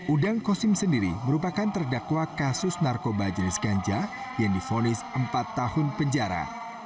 udang kosim sendiri merupakan terdakwa kasus narkoba jenis ganja yang difonis empat tahun penjara